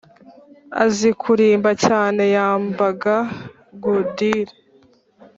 azi kurimba cyane, yambaga gudire